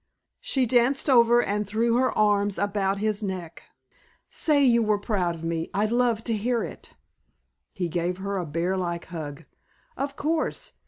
She danced over and threw her arms about his neck. "Say you were proud of me. I'd love to hear it." He gave her a bear like hug. "Of course.